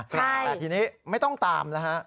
ใช่ทีนี้ไม่ต้องตามนะฮะ